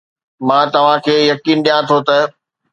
مان توهان کي يقين ڏيان ٿو ته